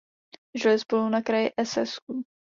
Žili spolu na kraji Essexu.